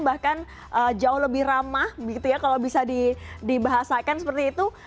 bahkan jauh lebih ramah gitu ya kalau bisa dibahasakan seperti itu